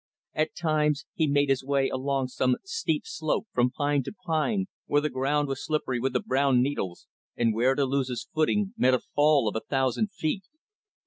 At times, he made his way along some steep slope, from pine to pine, where the ground was slippery with the brown needles, and where to lose his footing meant a fall of a thousand feet.